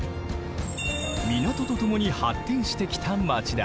港とともに発展してきた町だ。